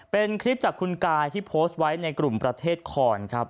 เป็นคลิปจากคุณกายที่โพสต์ไว้ในกลุ่มประเทศคอนครับ